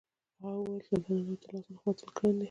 هغه وویل چې دلته ننوتل اسانه خو وتل ګران دي